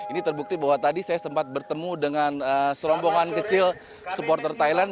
ini terbukti bahwa tadi saya sempat bertemu dengan serombongan kecil supporter thailand